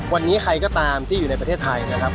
วันนี้ใครก็ตามที่อยู่ในประเทศไทยนะครับ